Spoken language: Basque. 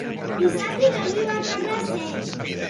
Izaki begibakarra zen.